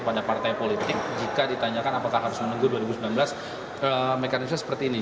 pada partai politik jika ditanyakan apakah harus menunggu dua ribu sembilan belas mekanisme seperti ini